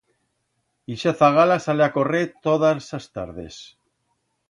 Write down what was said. Ixa zagala sale a correr todas as tardes.